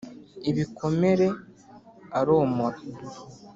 Ibikomere aromora.